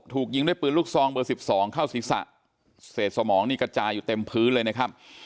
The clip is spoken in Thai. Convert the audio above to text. ถูกยิงด้วยปืนลูกซองเบอร์๑๒เข้าศีรษะเศษสมองนี่กระจายอยู่เต็มพื้นเลยนะครับ